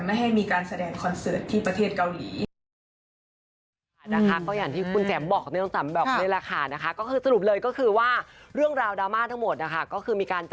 ไม่ให้มีการแสดงคอนเสิร์ตที่ประเทศเกาหลี